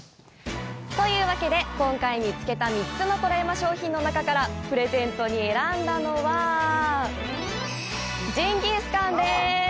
というわけで、今回見つけた３つの「コレうま」商品の中からプレゼントに選んだのはジンギスカンです！